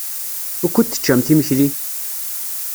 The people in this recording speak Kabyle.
Wukud teččamt imekli?